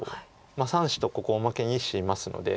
３子とここおまけに１子いますので。